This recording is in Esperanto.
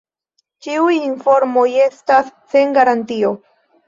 Ĉiuj informoj estas sen garantio.